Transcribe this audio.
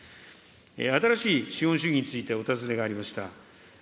新しい資本主義についてお尋ねがありました。